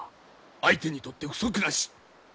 相手にとって不足なし！